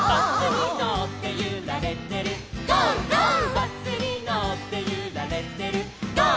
「バスにのってゆられてるゴー！